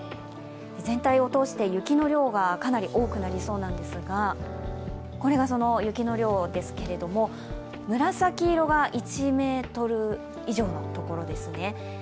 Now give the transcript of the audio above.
全体を通して、雪の量がかなり多くなりそうなんですがこれが雪の量ですが紫色が１ｍ以上のところですね。